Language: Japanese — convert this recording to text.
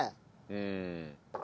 うん。